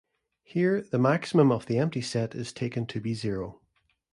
Here the maximum of the empty set is taken to be zero.